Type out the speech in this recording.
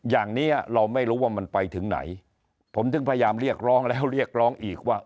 อย่างนี้เราไม่รู้ว่ามันไปถึงไหนผมถึงพยายามเรียกร้องแล้วเรียกร้องอีกว่า